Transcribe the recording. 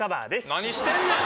何してんねん。